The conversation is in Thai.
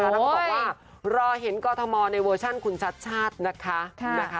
แล้วก็บอกว่ารอเห็นกรทมในเวอร์ชันคุณชัดชาตินะคะ